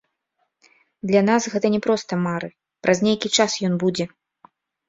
Для нас гэта не проста мары, праз нейкі час ён будзе.